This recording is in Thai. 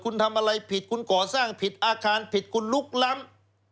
คุณทำอะไรผิดคุณก่อสร้างผิดอาคารผิดคุณลุกล้ำ